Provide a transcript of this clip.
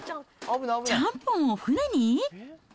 ちゃんぽんを船に？